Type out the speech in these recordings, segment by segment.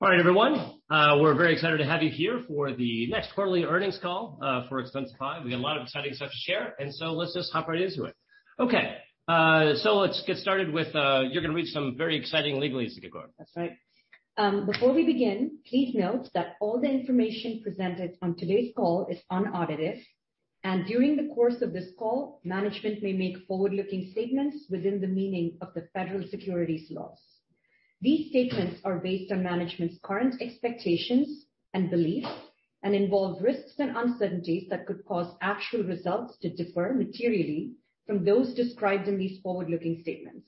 All right, everyone. We're very excited to have you here for the next quarterly earnings call for Expensify. We've got a lot of exciting stuff to share, and so let's just hop right into it. Okay, let's get started with you're gonna read some very exciting legalese to get going. That's right. Before we begin, please note that all the information presented on today's call is unaudited. During the course of this call, management may make forward-looking statements within the meaning of the federal securities laws. These statements are based on management's current expectations and beliefs and involve risks and uncertainties that could cause actual results to differ materially from those described in these forward-looking statements.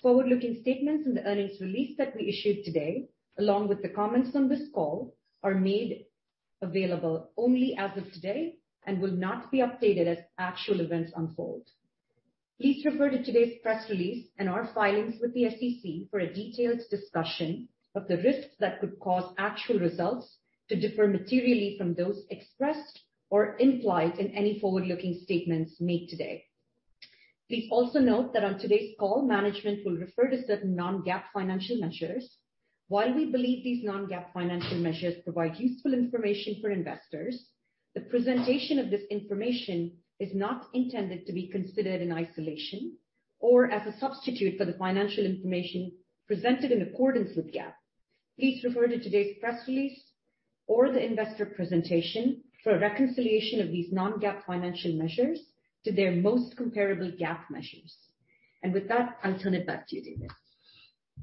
Forward-looking statements in the earnings release that we issued today, along with the comments on this call, are made available only as of today and will not be updated as actual events unfold. Please refer to today's press release and our filings with the SEC for a detailed discussion of the risks that could cause actual results to differ materially from those expressed or implied in any forward-looking statements made today. Please also note that on today's call, management will refer to certain non-GAAP financial measures. While we believe these non-GAAP financial measures provide useful information for investors, the presentation of this information is not intended to be considered in isolation or as a substitute for the financial information presented in accordance with GAAP. Please refer to today's press release or the investor presentation for a reconciliation of these non-GAAP financial measures to their most comparable GAAP measures. With that, I'll turn it back to you, David. Thank you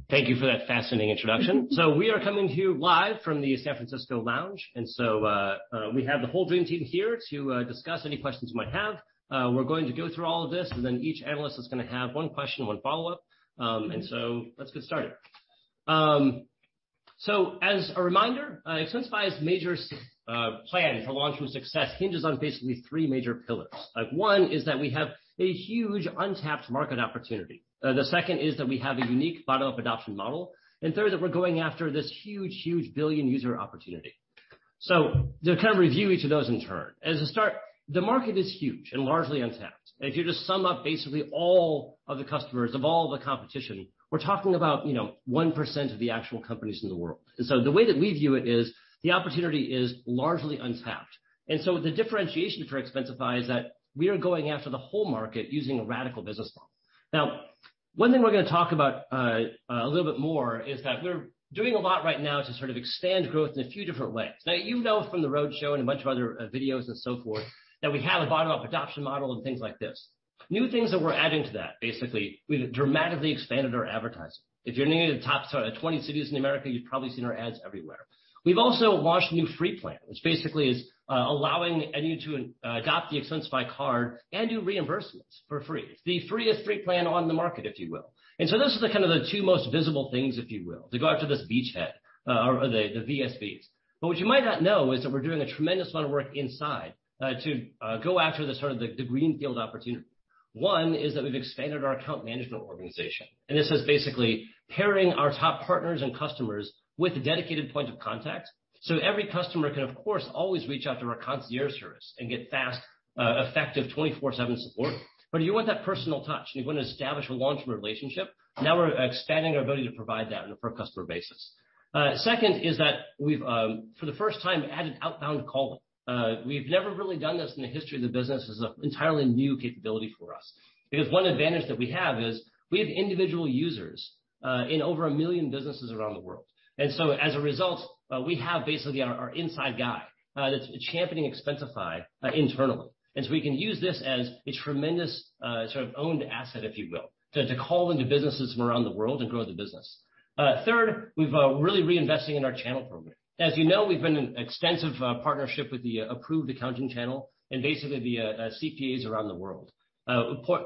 for that fascinating introduction. We are coming to you live from the San Francisco lounge, we have the whole dream team here to discuss any questions you might have. We're going to go through all of this, and then each analyst is gonna have one question and one follow-up. Let's get started. As a reminder, Expensify's major plan for long-term success hinges on basically three major pillars. Like, one is that we have a huge untapped market opportunity. The second is that we have a unique bottom-up adoption model. Third, that we're going after this huge, huge billion user opportunity. To kind of review each of those in turn. As a start, the market is huge and largely untapped. If you just sum up basically all of the customers of all the competition, we're talking about, you know, 1% of the actual companies in the world. The way that we view it is the opportunity is largely untapped. The differentiation for Expensify is that we are going after the whole market using a radical business model. Now, one thing we're gonna talk about a little bit more is that we're doing a lot right now to sort of expand growth in a few different ways. Now, you know from the roadshow and a bunch of other videos and so forth, that we have a bottom-up adoption model and things like this. New things that we're adding to that, basically, we've dramatically expanded our advertising. If you're new to the top sort of 20 cities in America, you've probably seen our ads everywhere. We've also launched a new free plan, which basically is allowing anyone to adopt the Expensify Card and do reimbursements for free. The freest free plan on the market, if you will. This is the kind of two most visible things, if you will, to go after this beachhead or the SMBs. What you might not know is that we're doing a tremendous amount of work inside to go after the sort of the greenfield opportunity. One is that we've expanded our account management organization, and this is basically pairing our top partners and customers with a dedicated point of contact. Every customer can, of course, always reach out to our Concierge service and get fast, effective 24/7 support. If you want that personal touch, and you wanna establish a long-term relationship, now we're expanding our ability to provide that on a per customer basis. Second is that we've, for the first time, added outbound calling. We've never really done this in the history of the business. This is an entirely new capability for us. Because one advantage that we have is we have individual users in over 1 million businesses around the world. As a result, we have basically our inside guy that's championing Expensify internally. We can use this as a tremendous sort of owned asset, if you will, to call into businesses from around the world and grow the business. Third, we've really reinvesting in our channel program. As you know, we've been in extensive partnership with the ExpensifyApproved! channel and basically the CPAs around the world.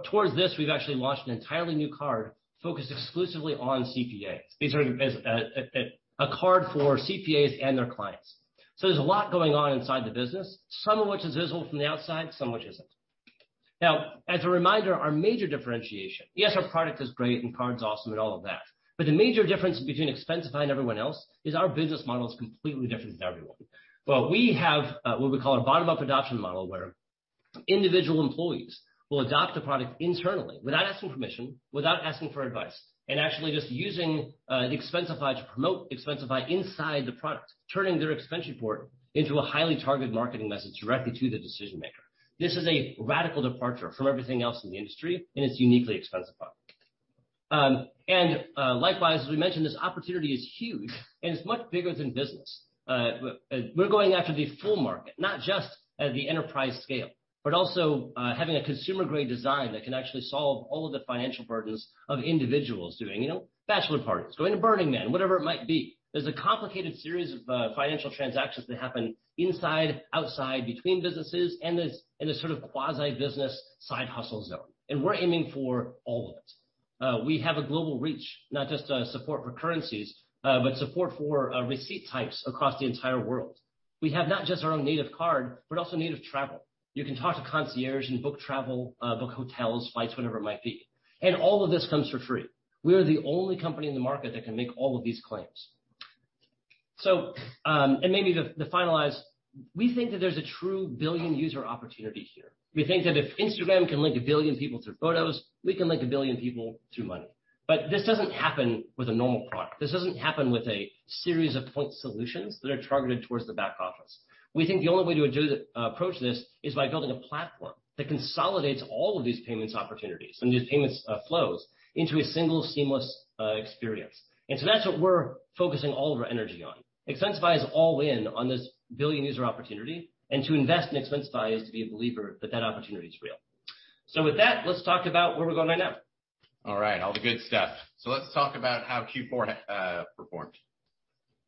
Towards this, we've actually launched an entirely new card focused exclusively on CPAs. These are a card for CPAs and their clients. There's a lot going on inside the business, some of which is visible from the outside, some which isn't. Now, as a reminder, our major differentiation, yes, our product is great and card's awesome and all of that, but the major difference between Expensify and everyone else is our business model is completely different than everyone. We have what we call a bottom-up adoption model, where individual employees will adopt a product internally without asking permission, without asking for advice, and actually just using Expensify to promote Expensify inside the product, turning their expense report into a highly targeted marketing message directly to the decision maker. This is a radical departure from everything else in the industry, and it's uniquely Expensify. Likewise, as we mentioned, this opportunity is huge, and it's much bigger than business. We're going after the full market, not just at the enterprise scale, but also having a consumer-grade design that can actually solve all of the financial burdens of individuals doing, you know, bachelor parties, going to Burning Man, whatever it might be. There's a complicated series of financial transactions that happen inside, outside, between businesses and this, in a sort of quasi-business side hustle zone, and we're aiming for all of it. We have a global reach, not just support for currencies, but support for receipt types across the entire world. We have not just our own native card, but also native travel. You can talk to Concierge and book travel, book hotels, flights, whatever it might be. All of this comes for free. We are the only company in the market that can make all of these claims. Maybe to finalize, we think that there's a true billion user opportunity here. We think that if Instagram can link a billion people through photos, we can link a billion people through money. This doesn't happen with a normal product. This doesn't happen with a series of point solutions that are targeted towards the back office. We think the only way to approach this is by building a platform that consolidates all of these payment opportunities and these payment flows into a single seamless experience. That's what we're focusing all of our energy on. Expensify is all in on this billion user opportunity. To invest in Expensify is to be a believer that that opportunity is real. With that, let's talk about where we're going right now. All right, all the good stuff. Let's talk about how Q4 performed.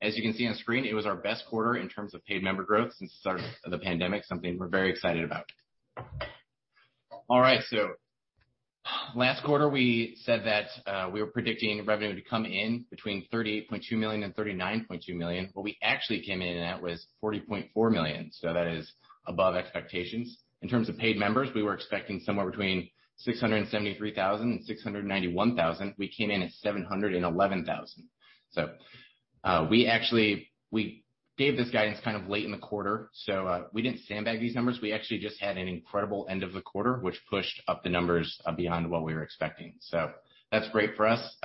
As you can see on screen, it was our best quarter in terms of paid member growth since the start of the pandemic, something we're very excited about. All right, last quarter we said that we were predicting revenue to come in between $38.2 million and $39.2 million. What we actually came in at was $40.4 million, so that is above expectations. In terms of paid members, we were expecting somewhere between 673,000 and 691,000. We came in at 711,000. We actually gave this guidance kind of late in the quarter, so we didn't sandbag these numbers. We actually just had an incredible end of the quarter, which pushed up the numbers beyond what we were expecting. That's great for us.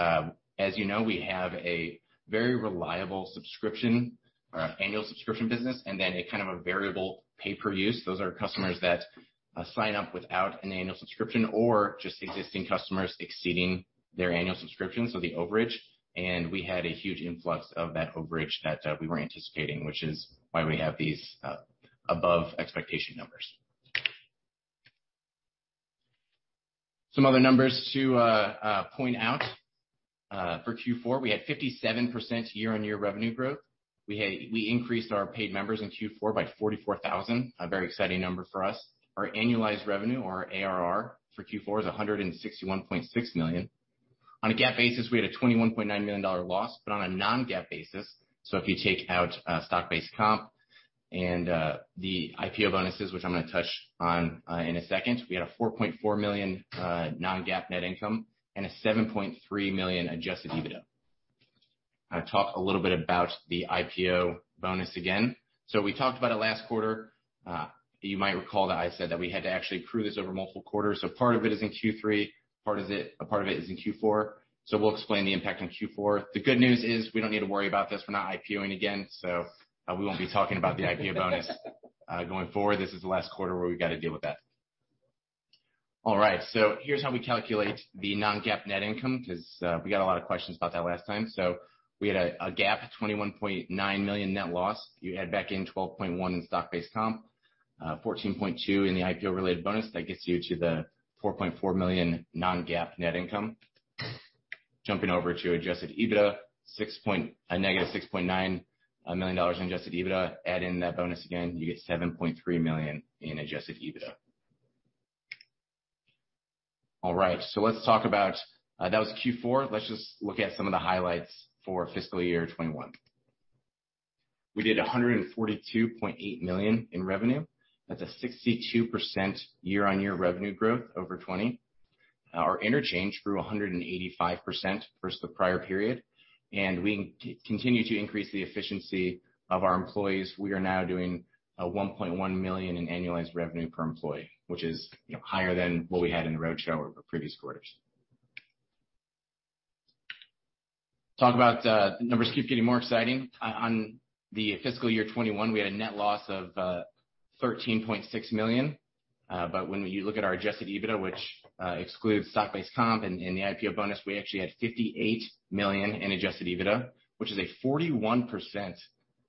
As you know, we have a very reliable subscription or annual subscription business, and then a kind of a variable pay per use. Those are customers that sign up without an annual subscription or just existing customers exceeding their annual subscription, so the overage. We had a huge influx of that overage that we were anticipating, which is why we have these above expectation numbers. Some other numbers to point out for Q4. We had 57% year-on-year revenue growth. We increased our paid members in Q4 by 44,000, a very exciting number for us. Our annualized revenue or ARR for Q4 is $161.6 million. On a GAAP basis, we had a $21.9 million loss. On a non-GAAP basis, so if you take out stock-based comp and the IPO bonuses, which I'm gonna touch on in a second, we had a $4.4 million non-GAAP net income and a $7.3 million adjusted EBITDA. I'll talk a little bit about the IPO bonus again. We talked about it last quarter. You might recall that I said that we had to actually accrue this over multiple quarters. Part of it is in Q3, part of it is in Q4. We'll explain the impact on Q4. The good news is we don't need to worry about this. We're not IPO-ing again, so we won't be talking about the IPO bonus going forward. This is the last quarter where we've got to deal with that. All right, here's how we calculate the non-GAAP net income, 'cause we got a lot of questions about that last time. We had a GAAP net loss of $21.9 million. You add back in $12.1 million in stock-based comp, fourteen point two in the IPO-related bonus, that gets you to the $4.4 million non-GAAP net income. Jumping over to adjusted EBITDA, a negative $6.9 million in adjusted EBITDA. Add in that bonus again, you get $7.3 million in adjusted EBITDA. All right, let's talk about that was Q4. Let's just look at some of the highlights for fiscal year 2021. We did $142.8 million in revenue. That's a 62% year-on-year revenue growth over 20. Our interchange grew 185% versus the prior period. We continue to increase the efficiency of our employees. We are now doing $1.1 million in annualized revenue per employee, which is, you know, higher than what we had in the roadshow or the previous quarters. Talk about numbers keep getting more exciting. In fiscal year 2021, we had a net loss of $13.6 million. But when you look at our adjusted EBITDA, which excludes stock-based comp and the IPO bonus, we actually had $58 million in adjusted EBITDA, which is a 41%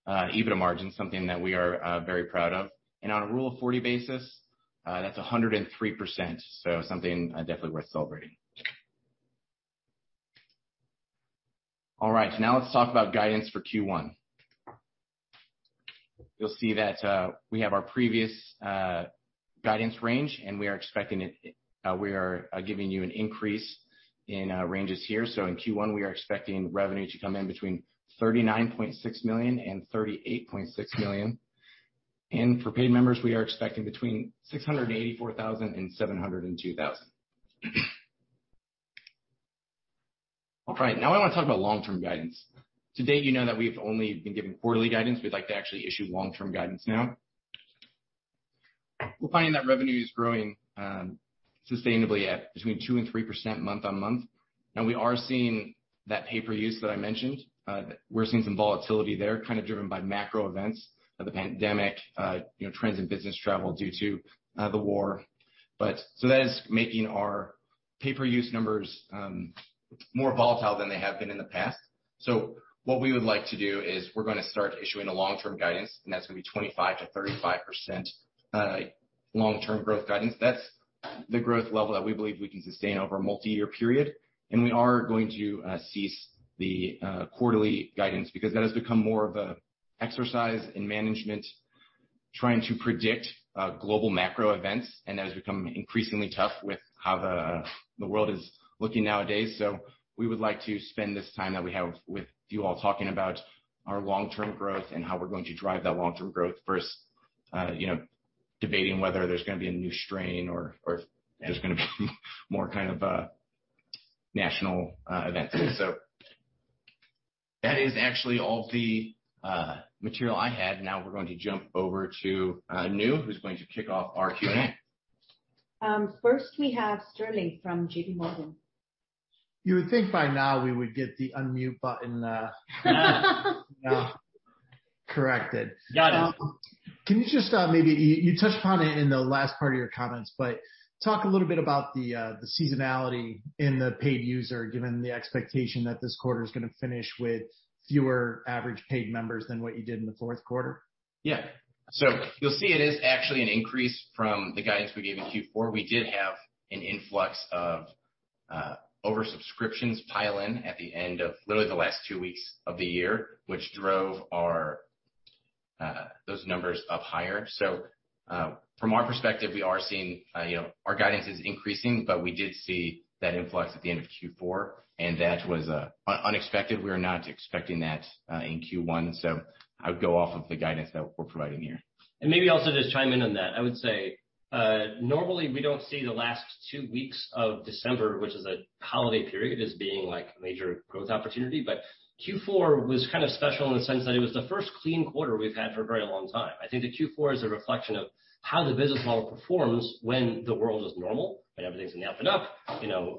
EBITDA margin, something that we are very proud of. On a Rule of 40 basis, that's 103%. Something definitely worth celebrating. All right, now let's talk about guidance for Q1. You'll see that we have our previous guidance range, and we are expecting it. We are giving you an increase in ranges here. In Q1, we are expecting revenue to come in between $39.6 million and $38.6 million. For paid members, we are expecting between 684,000 and 702,000. All right, now I wanna talk about long-term guidance. To date, you know that we've only been giving quarterly guidance. We'd like to actually issue long-term guidance now. We're finding that revenue is growing sustainably at 2%-3% month-on-month. Now, we are seeing that pay-per-use that I mentioned. We're seeing some volatility there, kind of driven by macro events of the pandemic, you know, trends in business travel due to the war. That is making our pay-per-use numbers more volatile than they have been in the past. What we would like to do is we're gonna start issuing a long-term guidance, and that's gonna be 25%-35% long-term growth guidance. That's the growth level that we believe we can sustain over a multi-year period. We are going to cease the quarterly guidance because that has become more of an exercise in management trying to predict global macro events, and that has become increasingly tough with how the world is looking nowadays. We would like to spend this time that we have with you all talking about our long-term growth and how we're going to drive that long-term growth versus, you know, debating whether there's gonna be a new strain or there's gonna be more kind of international events. That is actually all the material I had. Now we're going to jump over to Anu, who's going to kick off our Q&A. First we have Sterling from JPMorgan. You would think by now we would get the unmute button corrected. Got it. Can you just maybe you touched upon it in the last part of your comments, but talk a little bit about the seasonality in the paid user, given the expectation that this quarter is gonna finish with fewer average paid members than what you did in the fourth quarter? Yeah. You'll see it is actually an increase from the guidance we gave in Q4. We did have an influx of over subscriptions pile in at the end of literally the last two weeks of the year, which drove our those numbers up higher. From our perspective, we are seeing you know, our guidance is increasing, but we did see that influx at the end of Q4, and that was unexpected. We were not expecting that in Q1, so I would go off of the guidance that we're providing here. Maybe also just chime in on that. I would say, normally we don't see the last two weeks of December, which is a holiday period, as being like major growth opportunity. Q4 was kind of special in the sense that it was the first clean quarter we've had for a very long time. I think the Q4 is a reflection of how the business model performs when the world is normal and everything's opened up, you know,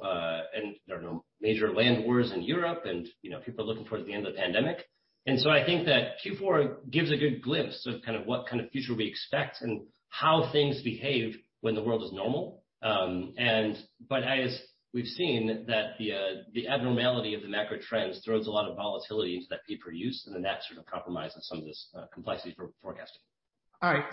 and there are no major land wars in Europe and, you know, people are looking towards the end of the pandemic. I think that Q4 gives a good glimpse of kind of what kind of future we expect and how things behave when the world is normal. As we've seen, the abnormality of the macro trends throws a lot of volatility into that pay-per-use, and then that sort of compromises some of this complexity for forecasting. All right.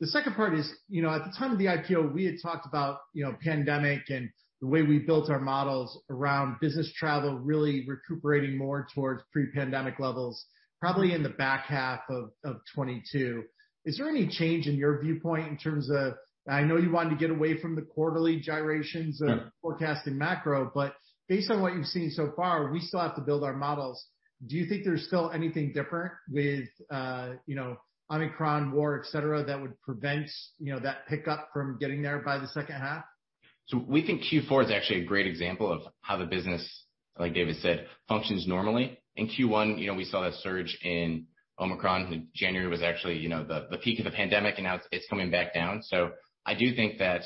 The second part is, you know, at the time of the IPO, we had talked about, you know, pandemic and the way we built our models around business travel, really recuperating more towards pre-pandemic levels, probably in the back half of 2022. Is there any change in your viewpoint in terms of, I know you wanted to get away from the quarterly gyrations. Yeah. Of forecasting macro, but based on what you've seen so far, we still have to build our models. Do you think there's still anything different with, you know, Omicron, war, et cetera, that would prevent, you know, that pickup from getting there by the second half? We think Q4 is actually a great example of how the business, like David said, functions normally. In Q1, you know, we saw that surge in Omicron. January was actually, you know, the peak of the pandemic, and now it's coming back down. I do think that,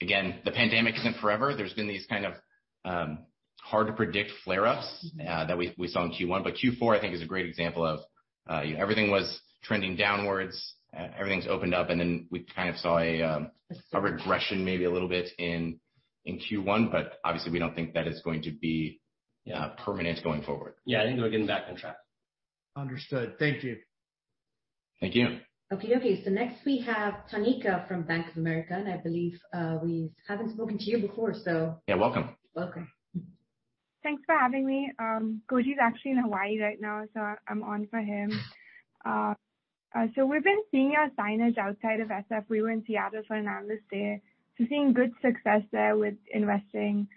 again, the pandemic isn't forever. There's been these kind of, hard to predict flare-ups, that we saw in Q1. Q4, I think is a great example of, everything was trending downwards, everything's opened up, and then we kind of saw a regression maybe a little bit in Q1, but obviously we don't think that it's going to be, permanent going forward. Yeah. I think we're getting back on track. Understood. Thank you. Thank you. Okie dokie. Next we have Tanika from Bank of America. I believe we haven't spoken to you before, so- Yeah, welcome. Welcome. Thanks for having me. Koji is actually in Hawaii right now, so I'm on for him. We've been seeing some hiring outside of S.F. We were in Seattle for an analyst there. Seeing good success there with investing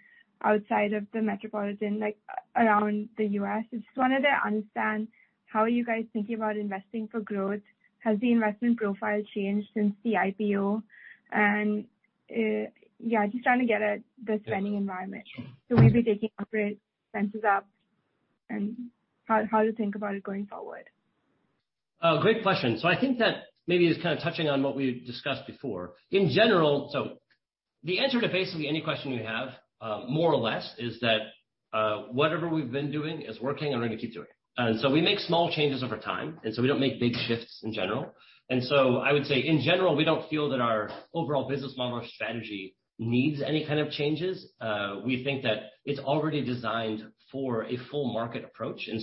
outside of the metropolitan, like around the U.S. I just wanted to understand how are you guys thinking about investing for growth? Has the investment profile changed since the IPO? Yeah, just trying to get at the spending environment. Will you be taking corporate expenses up and how to think about it going forward? Great question. I think that maybe it's kind of touching on what we discussed before. In general, the answer to basically any question you have, more or less is that, whatever we've been doing is working and we're gonna keep doing. We make small changes over time, and so we don't make big shifts in general. I would say, in general, we don't feel that our overall business model or strategy needs any kind of changes. We think that it's already designed for a full market approach, and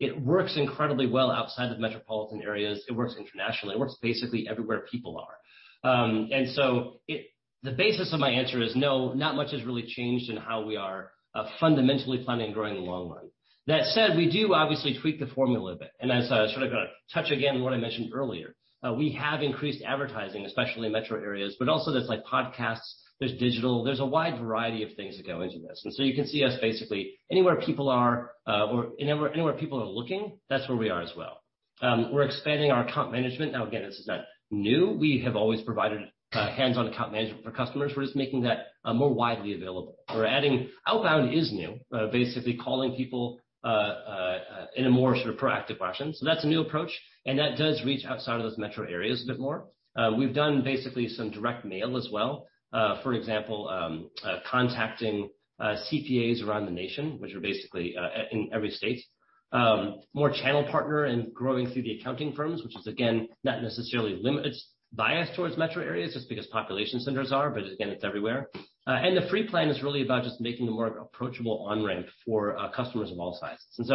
it works incredibly well outside of metropolitan areas. It works internationally. It works basically everywhere people are. The basis of my answer is no, not much has really changed in how we are fundamentally planning growing in the long run. That said, we do obviously tweak the formula a bit. As I sort of touch again what I mentioned earlier, we have increased advertising, especially in metro areas, but also there's like podcasts, there's digital, there's a wide variety of things that go into this. You can see us basically anywhere people are, or anywhere people are looking, that's where we are as well. We're expanding our account management. Now, again, this is not new. We have always provided hands-on account management for customers. We're just making that more widely available. We're adding outbound is new, basically calling people in a more sort of proactive fashion. That's a new approach, and that does reach outside of those metro areas a bit more. We've done basically some direct mail as well. For example, contacting CPAs around the nation, which are basically in every state. More channel partners and growing through the accounting firms, which is again, not necessarily. It's biased towards metro areas just because population centers are, but again, it's everywhere. The free plan is really about just making it more approachable on-ramp for customers of all sizes.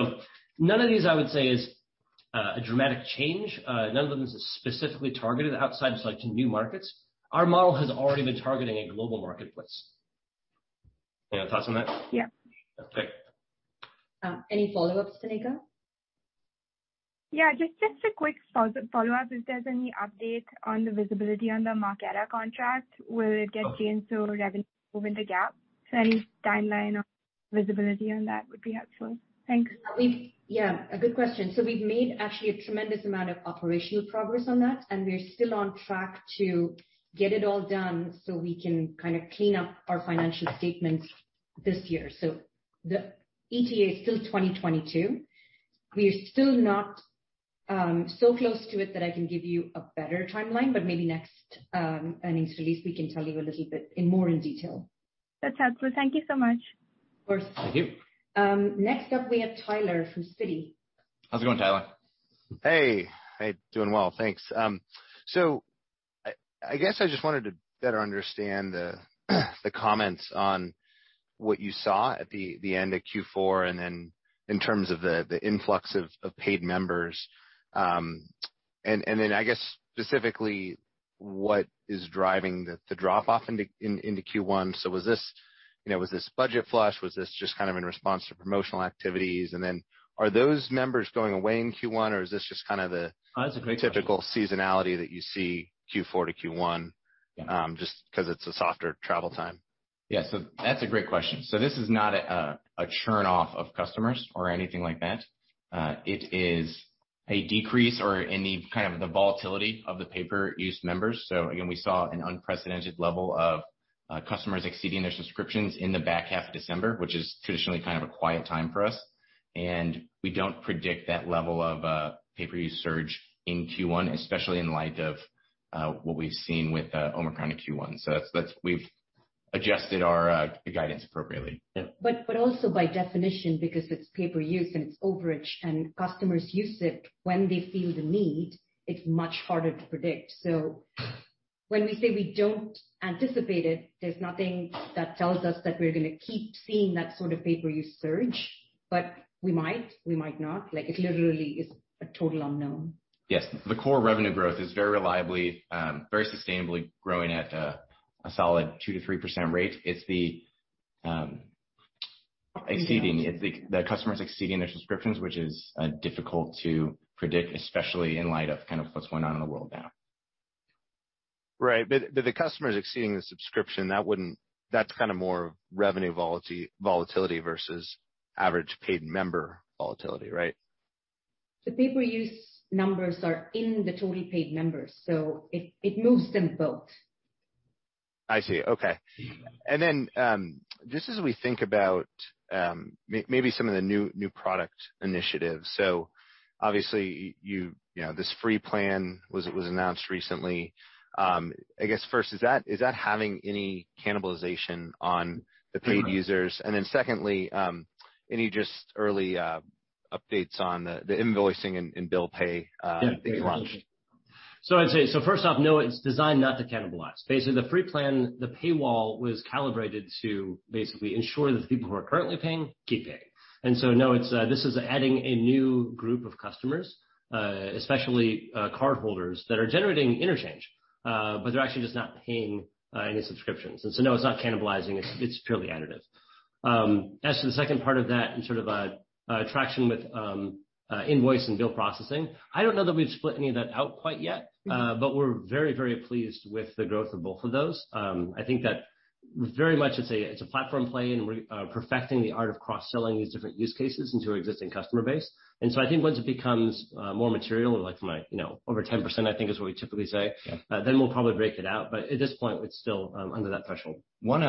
None of these, I would say, is a dramatic change. None of them is specifically targeted outside of select and new markets. Our model has already been targeting a global marketplace. Any thoughts on that? Yeah. That's it. Any follow-ups, Tanika? Yeah, just a quick follow-up, if there's any update on the visibility on the Marqeta contract, will it get changed so revenue over the GAAP? Any timeline on that? Visibility on that would be helpful. Thanks. Yeah, a good question. We've made actually a tremendous amount of operational progress on that, and we're still on track to get it all done, so we can kinda clean up our financial statements this year. The ETA is still 2022. We are still not so close to it that I can give you a better timeline, but maybe next earnings release, we can tell you a little bit in more detail. That's helpful. Thank you so much. Of course. Thank you. Next up, we have Tyler from Citi. How's it going, Tyler? Hey. Hey, doing well. Thanks. I guess I just wanted to better understand the comments on what you saw at the end of Q4, and then in terms of the influx of paid members. Then I guess, specifically, what is driving the drop-off into Q1. Was this, you know, budget flush? Was this just kind of in response to promotional activities? Then are those members going away in Q1, or is this just kinda the- Oh, that's a great question. Typical seasonality that you see Q4 to Q1, just 'cause it's a softer travel time? Yeah. That's a great question. This is not a churn-off of customers or anything like that. It is a decrease or any kind of the volatility of the pay-per-use members. Again, we saw an unprecedented level of customers exceeding their subscriptions in the back half of December, which is traditionally kind of a quiet time for us. We don't predict that level of pay-per-use surge in Q1, especially in light of what we've seen with Omicron in Q1. That's. We've adjusted our guidance appropriately. Yeah. Also by definition, because it's pay-per-use and it's overage, and customers use it when they feel the need, it's much harder to predict. When we say we don't anticipate it, there's nothing that tells us that we're gonna keep seeing that sort of pay-per-use surge. We might, we might not. Like, it literally is a total unknown. Yes. The core revenue growth is very reliably, very sustainably growing at a solid 2%-3% rate. It's the customers exceeding their subscriptions, which is difficult to predict, especially in light of kind of what's going on in the world now. Right. The customers exceeding the subscription, that's kinda more revenue volatility versus average paid member volatility, right? The pay-per-use numbers are in the total paid members, so it moves them both. I see. Okay. Then, just as we think about maybe some of the new product initiatives. Obviously you know, this free plan was announced recently. I guess first, is that having any cannibalization on the paid users? Then secondly, any just early updates on the invoicing and bill pay that you launched? Yeah. I'd say, first off, no, it's designed not to cannibalize. Basically, the free plan, the paywall was calibrated to basically ensure that the people who are currently paying keep paying. No, it's this is adding a new group of customers, especially, cardholders that are generating interchange, but they're actually just not paying, any subscriptions. No, it's not cannibalizing. It's purely additive. As to the second part of that in sort of, attraction with, invoice and bill processing, I don't know that we've split any of that out quite yet, but we're very, very pleased with the growth of both of those. I think that very much it's a platform play, and we're perfecting the art of cross-selling these different use cases into our existing customer base. I think once it becomes more material, like from a, you know, over 10%, I think is what we typically say, then we'll probably break it out. At this point, it's still under that threshold. One,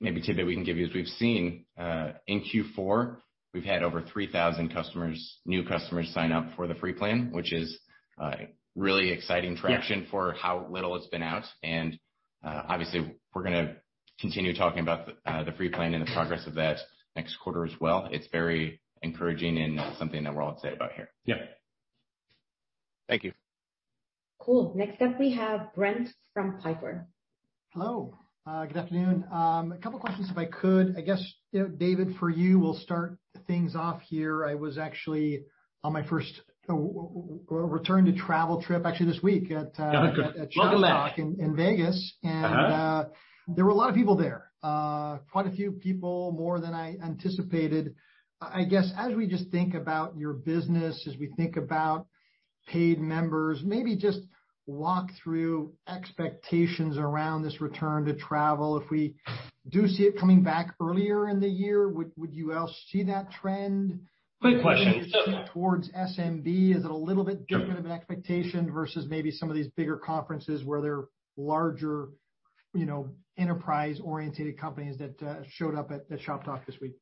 maybe tidbit we can give you is we've seen in Q4 we've had over 3,000 customers, new customers sign up for the free plan, which is really exciting traction. Yeah for how little it's been out. Obviously we're gonna continue talking about the free plan and the progress of that next quarter as well. It's very encouraging and something that we're all excited about here. Yeah. Thank you. Cool. Next up, we have Brent from Piper. Hello. Good afternoon. A couple questions if I could. I guess, you know, David, for you, we'll start things off here. I was actually on my first return to travel trip actually this week at. Oh, good. Welcome back. At Shoptalk in Vegas. Uh-huh. There were a lot of people there. Quite a few people, more than I anticipated. I guess, as we just think about your business, as we think about paid members, maybe just walk through expectations around this return to travel. If we do see it coming back earlier in the year, would you all see that trend? Great question. It's just that. Toward SMB, is it a little bit different of an expectation versus maybe some of these bigger conferences where there are larger, you know, enterprise-oriented companies that showed up at the Shoptalk this week?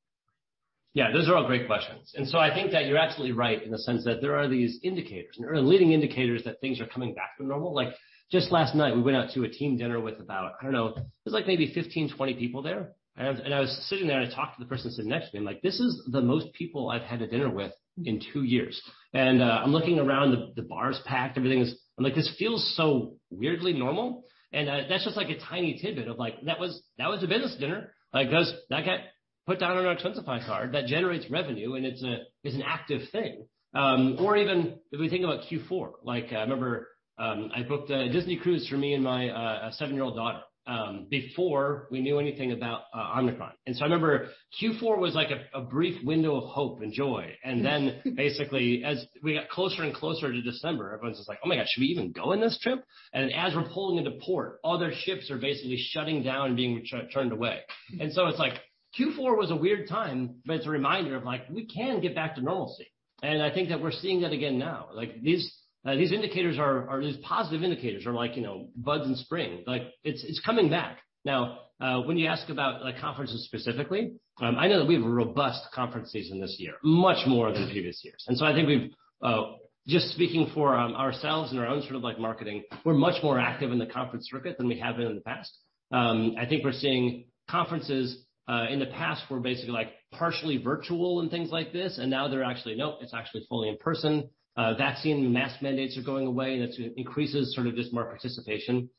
Yeah, those are all great questions. I think that you're absolutely right in the sense that there are these indicators and early leading indicators that things are coming back to normal. Like just last night, we went out to a team dinner with about 15, 20 people there. I was sitting there, and I talked to the person sitting next to me. I'm like, "This is the most people I've had a dinner with in two years." I'm looking around, the bar is packed, everything is. I'm like, "This feels so weirdly normal." That's just like a tiny tidbit of, like, that was a business dinner. That got put down on our Expensify Card. That generates revenue, and it's an active thing. Even if we think about Q4, like, I remember I booked a Disney cruise for me and my seven-year-old daughter before we knew anything about Omicron. I remember Q4 was like a brief window of hope and joy. Basically, as we got closer and closer to December, everyone's just like, "Oh my gosh, should we even go on this trip?" As we're pulling into port, other ships are basically shutting down and being turned away. It's like Q4 was a weird time, but it's a reminder of like we can get back to normalcy. I think that we're seeing that again now. Like these positive indicators are like you know buds in spring. Like it's coming back. Now, when you ask about, like, conferences specifically, I know that we have a robust conference season this year, much more than previous years. I think, just speaking for ourselves and our own sort of, like, marketing, we're much more active in the conference circuit than we have been in the past. I think we're seeing conferences in the past were basically, like, partially virtual and things like this, and now it's actually fully in person. Vaccine and mask mandates are going away, and that increases sort of just more participation.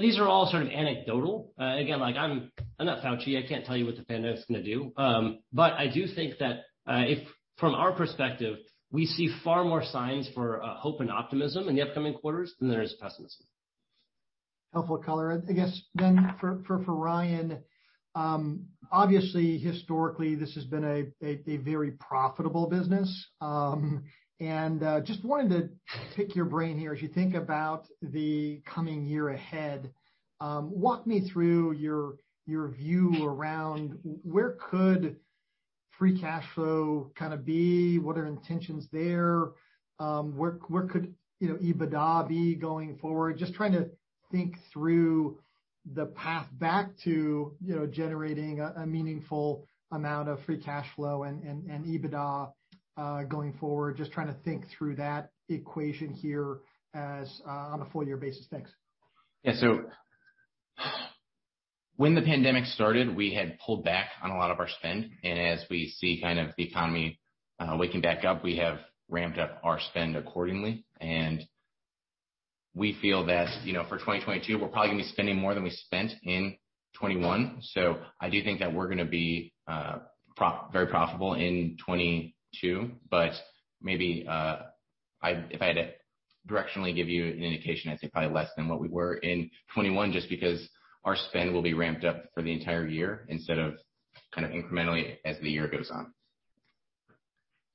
These are all sort of anecdotal. Again, like I'm not Fauci, I can't tell you what the pandemic's gonna do. I do think that if from our perspective we see far more signs for hope and optimism in the upcoming quarters than there is pessimism. Helpful color. I guess then for Ryan, obviously, historically, this has been a very profitable business. Just wanted to pick your brain here. As you think about the coming year ahead, walk me through your view around where could free cash flow kinda be? What are intentions there? Where could, you know, EBITDA be going forward? Just trying to think through the path back to, you know, generating a meaningful amount of free cash flow and EBITDA going forward. Just trying to think through that equation here as on a full year basis. Thanks. Yeah. When the pandemic started, we had pulled back on a lot of our spend, and as we see kind of the economy waking back up, we have ramped up our spend accordingly. We feel that, you know, for 2022 we're probably gonna be spending more than we spent in 2021. I do think that we're gonna be very profitable in 2022. Maybe, if I had to directionally give you an indication, I'd say probably less than what we were in 2021 just because our spend will be ramped up for the entire year instead of kind of incrementally as the year goes on.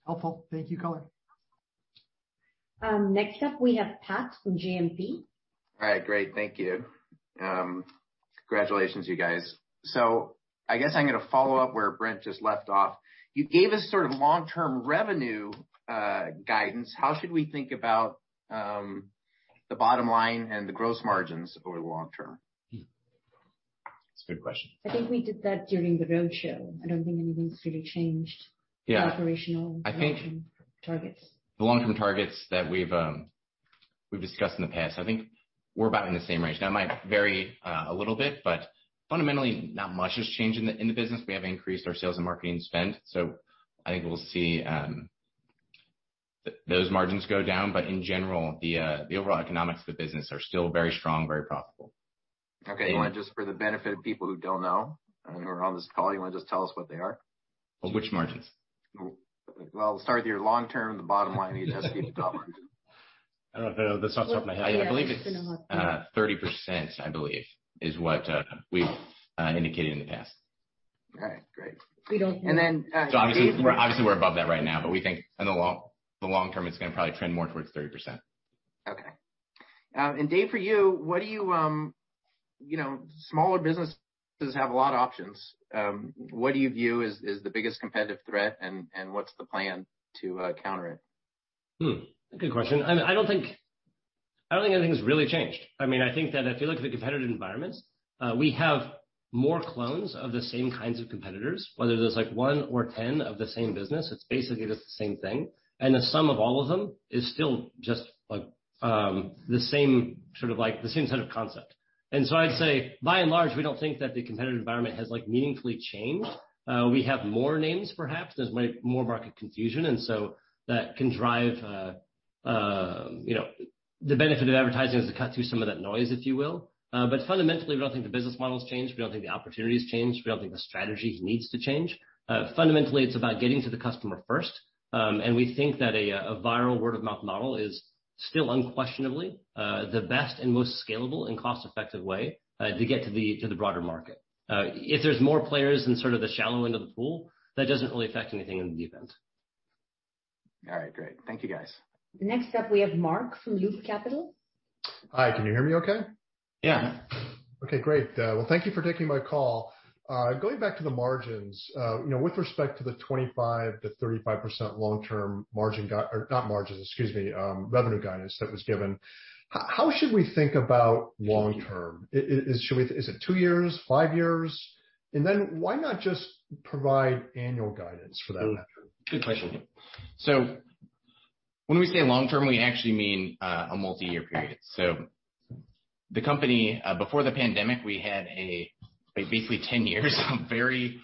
Helpful. Thank you. Color. Next up, we have Pat from GMP. All right. Great. Thank you. Congratulations, you guys. I guess I'm gonna follow up where Brent just left off. You gave us sort of long-term revenue guidance. How should we think about the bottom line and the gross margins over the long term? That's a good question. I think we did that during the roadshow. I don't think anything's really changed. Yeah. The operational long-term targets. The long-term targets that we've discussed in the past, I think we're about in the same range. Now, it might vary a little bit, but fundamentally, not much has changed in the business. We have increased our sales and marketing spend, so I think we'll see those margins go down. In general, the overall economics of the business are still very strong, very profitable. Okay. You wanna just for the benefit of people who don't know and who are on this call, you wanna just tell us what they are? Which margins? Well, start with your long-term, the bottom line, EBITDA. I don't know. That's not top of my head. I believe it's 30%, I believe, is what we've indicated in the past. All right. Great. We don't- And then, uh- Obviously we're above that right now, but we think in the long term it's gonna probably trend more towards 30%. Okay. David, for you know, smaller businesses have a lot of options. What do you view as the biggest competitive threat, and what's the plan to counter it? Good question. I mean, I don't think anything's really changed. I mean, I think that if you look at the competitive environments, we have more clones of the same kinds of competitors, whether there's like one or 10 of the same business, it's basically just the same thing. The sum of all of them is still just like the same sort of concept. I'd say by and large, we don't think that the competitive environment has like meaningfully changed. We have more names perhaps. There's way more market confusion and so that can drive you know the benefit of advertising is to cut through some of that noise, if you will. Fundamentally, we don't think the business model's changed. We don't think the opportunity's changed. We don't think the strategy needs to change. Fundamentally, it's about getting to the customer first. We think that a viral word-of-mouth model is still unquestionably the best and most scalable and cost-effective way to get to the broader market. If there's more players in sort of the shallow end of the pool, that doesn't really affect anything in the event. All right. Great. Thank you, guys. Next up, we have Mark from Loop Capital. Hi, can you hear me okay? Yeah. Okay, great. Well, thank you for taking my call. Going back to the margins, you know, with respect to the 25%-35% long-term margin guide, or not margins, excuse me, revenue guidance that was given, how should we think about long term? Is it two years, five years? Why not just provide annual guidance for that matter? Good question. When we say long term, we actually mean a multi-year period. The company, before the pandemic, we had, like, basically 10 years of very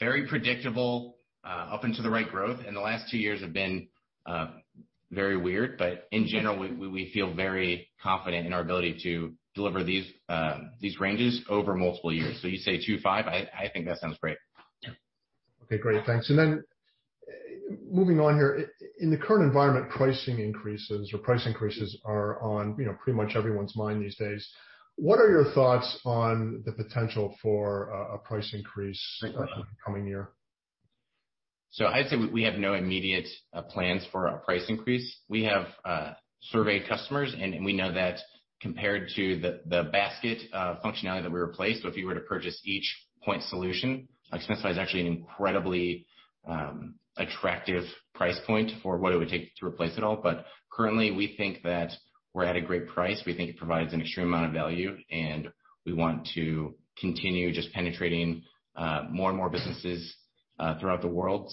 very predictable up and to the right growth. The last two years have been very weird. In general, we feel very confident in our ability to deliver these ranges over multiple years. You say two, five, I think that sounds great. Yeah. Okay, great. Thanks. Moving on here. In the current environment, pricing increases or price increases are on, you know, pretty much everyone's mind these days. What are your thoughts on the potential for a price increase in the coming year? I'd say we have no immediate plans for a price increase. We have surveyed customers, and we know that compared to the basket functionality that we replaced, if you were to purchase each point solution, like, Spendesk is actually an incredibly attractive price point for what it would take to replace it all. Currently, we think that we're at a great price. We think it provides an extreme amount of value, and we want to continue just penetrating more and more businesses throughout the world.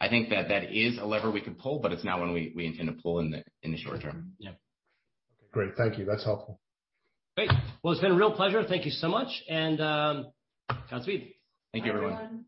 I think that is a lever we can pull, but it's not one we intend to pull in the short term. Yeah. Okay, great. Thank you. That's helpful. Great. Well, it's been a real pleasure. Thank you so much, and Godspeed. Thank you, everyone. Bye, everyone.